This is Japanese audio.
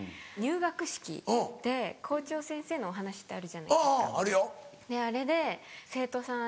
入学式で校長先生のお話ってあるじゃないですか。